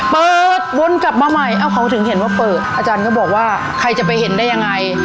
วนกลับมาใหม่เอ้าเขาถึงเห็นว่าเปิดอาจารย์ก็บอกว่าใครจะไปเห็นได้ยังไง